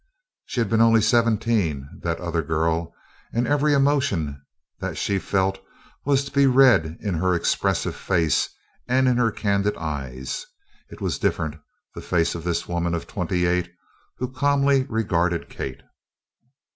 She had been only seventeen that other girl and every emotion that she felt was to be read in her expressive face and in her candid eyes. It was different the face of this woman of twenty eight who calmly regarded Kate.